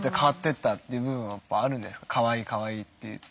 「かわいいかわいい」って言って。